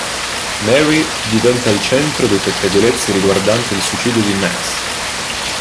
Mary diventa il centro dei pettegolezzi riguardante il suicidio di Max.